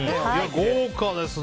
豪華ですね。